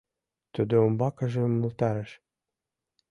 Тудо умбакыже умылтарыш: